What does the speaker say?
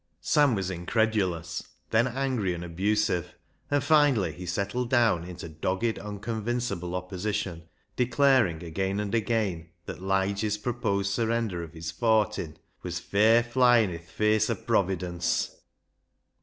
Sam was incredulous, then angry and abusive, and finally he settled down into dogged, uncon vincible opposition, declaring again and again that Lige's proposed surrender of his " fortin " was " fair flyin' i' th' face o' Providence."